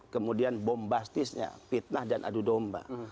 kemudian bombastisnya fitnah dan adu domba